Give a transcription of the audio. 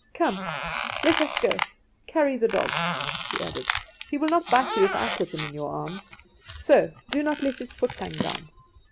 Come! let us go. Carry the dog," she added; "he will not bite you if I put him in your arms. So do not let his foot hang down."